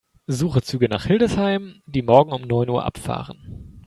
Suche Züge nach Hildesheim, die morgen um neun Uhr abfahren.